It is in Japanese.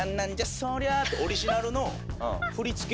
ってオリジナルの振り付け